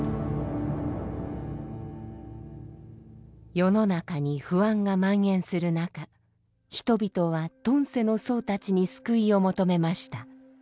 世の中に不安がまん延する中人々は遁世の僧たちに救いを求めました。